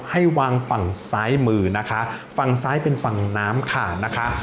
ให้วางฝั่งซ้ายมือนะคะฝั่งซ้ายเป็นฝั่งน้ำขาดนะคะ